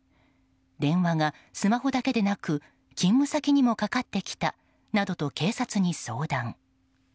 電話がスマホだけでなく勤務先にもかかってきたなどと警察に相談。